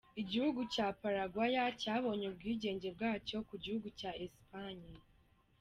Igihugu cya Paraguay cyabonye ubwigenge bwacyo ku gihugu cya Espagne.